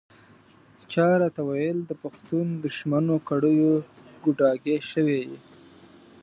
چا راته ویل د پښتون دښمنو کړیو ګوډاګی شوی یې.